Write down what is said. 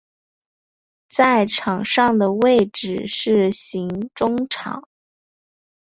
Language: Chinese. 在场上的位置是型中场。